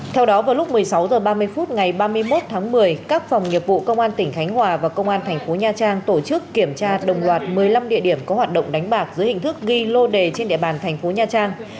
theo đó vào lúc một mươi sáu h ba mươi phút ngày ba mươi một tháng một mươi các phòng nghiệp vụ công an tỉnh khánh hòa và công an thành phố nha trang tổ chức kiểm tra đồng loạt một mươi năm địa điểm có hoạt động đánh bạc dưới hình thức ghi lô đề trên địa bàn thành phố nha trang